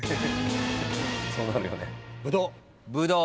そうなるよね。